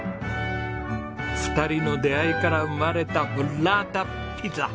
２人の出会いから生まれたブッラータピザ。